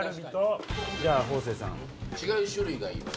じゃあ方正さん。